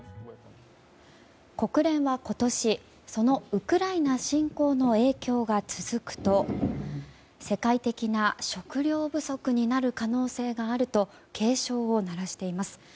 国連は今年ウクライナ侵攻の影響が続くと世界的な食糧不足になる可能性があると警鐘を鳴らしています。